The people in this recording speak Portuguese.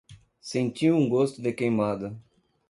Senti um gosto de queimado